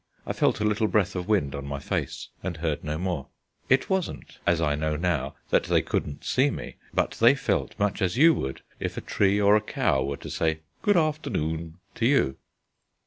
I felt a little breath of wind on my face, and heard no more. It wasn't (as I know now) that they couldn't see me: but they felt much as you would if a tree or a cow were to say "Good afternoon" to you.